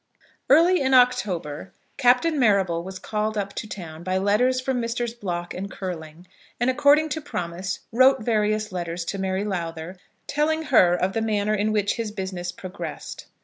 Early in October Captain Marrable was called up to town by letters from Messrs. Block and Curling, and according to promise wrote various letters to Mary Lowther, telling her of the manner in which his business progressed.